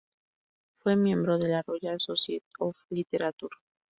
Fue miembro de la Royal Society of Literature.